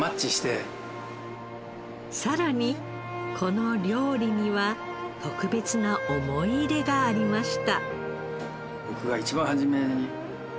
さらにこの料理には特別な思い入れがありました。